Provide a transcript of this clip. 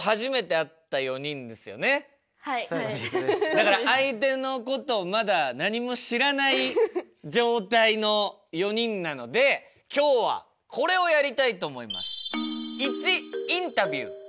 だから相手のことをまだ何も知らない状態の４人なので今日はこれをやりたいと思います。